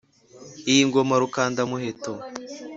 iyi ngoma rukanda-muheto.